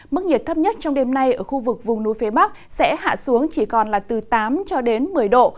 mức nhiệt thấp nhất trong đêm nay ở khu vực vùng núi phía bắc sẽ hạ xuống chỉ còn là từ tám cho đến một mươi độ